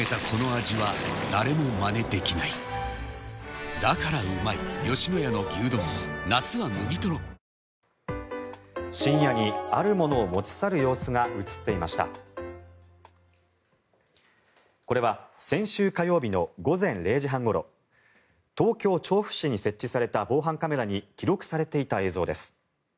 これは、先週火曜日の午前０時半ごろ東京・調布市に設置された防犯カメラに記録されていた映像です。